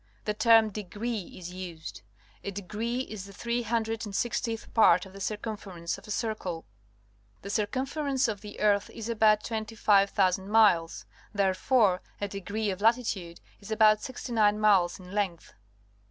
The term Degree is used. A degree is the 34 PUBLIC SCH( )( )L (GEOGRAPHY tliice hundred and sixtieth part of the cir cumference of a circle. The circumference of the earth is about 25,000 miles. Therefore a degree of latitude is about sixty nine miles in length.